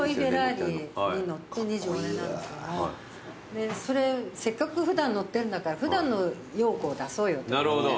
でそれせっかく普段乗ってんだから普段の陽子を出そうよってことで。